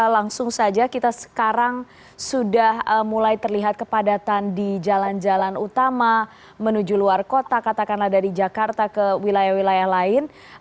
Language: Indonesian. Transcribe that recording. langsung saja kita sekarang sudah mulai terlihat kepadatan di jalan jalan utama menuju luar kota katakanlah dari jakarta ke wilayah wilayah lain